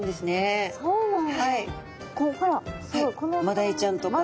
マダイちゃんとか。